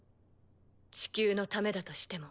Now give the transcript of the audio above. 地球のためだとしても？